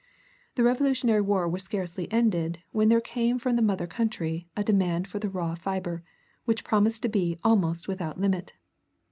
The Revolutionary war was scarcely ended when there came from the mother country a demand for the raw fiber, which promised to be almost without limit.